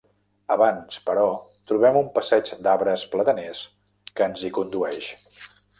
Abans, però, trobem un passeig d'arbres plataners que ens hi condueix.